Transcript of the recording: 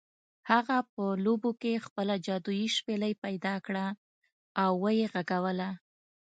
هغه په اوبو کې خپله جادويي شپیلۍ پیدا کړه او و یې غږوله.